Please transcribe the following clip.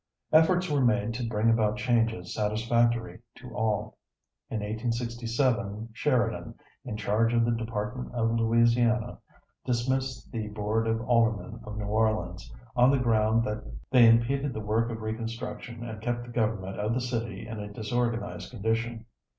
Efforts were made to bring about changes satisfactory to all. In 1867, Sheridan, in charge of the department of Louisiana, dismissed the board of aldermen of New Orleans, on the ground that they impeded the work of reconstruction and kept the government of the city in a disorganized condition.